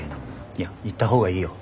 いや行った方がいいよ。